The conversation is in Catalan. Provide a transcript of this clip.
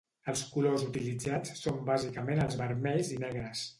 Els colors utilitzats són bàsicament els vermells i negres.